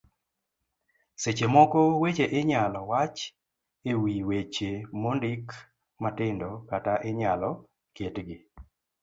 seche moko weche inyalo wach e wi weche mondik matindo kata inyalo ketgi